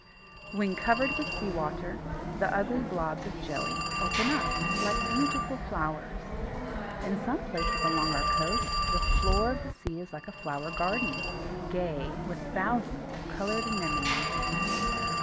When covered with sea water the ugly blobs of jelly open out like beautiful flowers. In some places along our coast the floor of the sea is like a flower garden, gay with thousands of coloured Anemones.